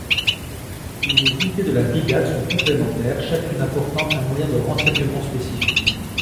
Les unités de la brigade sont complémentaires, chacune apportant un moyen de renseignement spécifique.